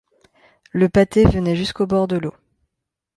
Le pâté venait jusqu’au bord de l’eau.